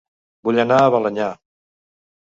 Vull anar a Balenyà